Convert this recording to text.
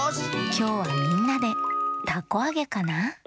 きょうはみんなでたこあげかな？